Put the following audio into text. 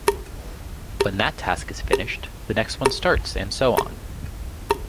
When that task is finished, the next one starts and so on.